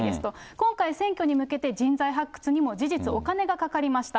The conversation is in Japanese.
今回、選挙に向けて人材発掘にも事実、お金がかかりました。